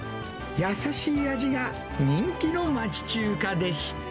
優しい味が人気の町中華でした。